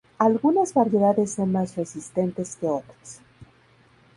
Algunas variedades son más resistentes que otras.